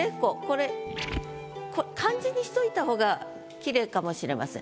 これ漢字にしといたほうがきれいかもしれません。